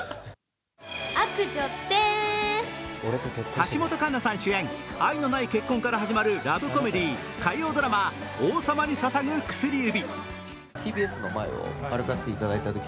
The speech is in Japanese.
橋本環奈さん主演、愛のない結婚から始まるラブコメディー、火曜ドラマ「王様に捧ぐ薬指」。